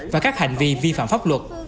và các hành vi vi phạm pháp luật